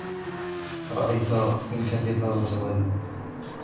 أرأيت إن كذب وتولى